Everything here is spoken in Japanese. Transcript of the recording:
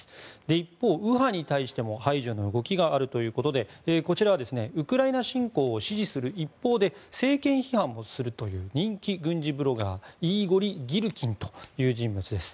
一方、右派に対しても排除の動きがあるということでこちらはウクライナ侵攻を支持する一方で政権批判もするという人気軍事ブロガーイーゴリ・ギルキンという人物です。